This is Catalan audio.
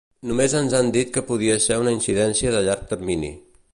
Només ens han dit que podria ser una incidència de llarg termini.